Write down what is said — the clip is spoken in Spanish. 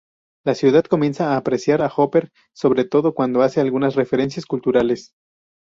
La ciudad comienza a apreciar a Hooper, sobre todo cuando hace algunas referencias culturales.